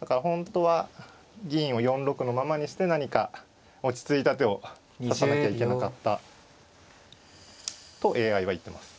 だから本当は銀を４六のままにして何か落ち着いた手を指さなきゃいけなかった。とＡＩは言ってます。